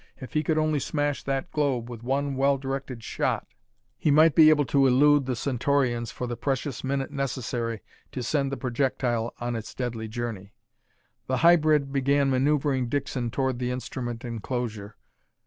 If he could only smash that globe with one well directed shot, he might be able to elude the Centaurians for the precious minute necessary to send the projectile on its deadly journey. The hybrid began maneuvering Dixon toward the instrument enclosure.